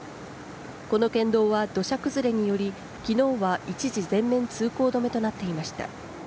この県道は土砂崩れにより昨日は一時全面通行止めとなっていました。